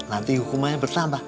nanti hukumannya bertambah